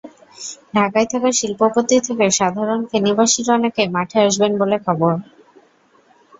ঢাকায় থাকা শিল্পপতি থেকে সাধারণ ফেনীবাসীর অনেকে মাঠে আসবেন বলে খবর।